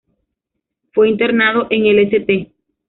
Fue internado en el St.